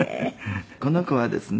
「この子はですね